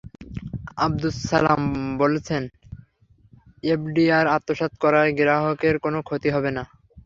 আবদুস সালাম বলেছেন, এফডিআর আত্মসাৎ করায় গ্রাহকের কোনো ক্ষতি হবে না।